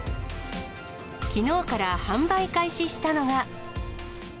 きのうから販売開始したのが。